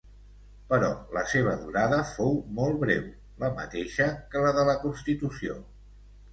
Però la seva durada fou molt breu, la mateixa que la de la Constitució.